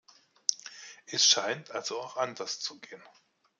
Es scheint also auch anders zu gehen.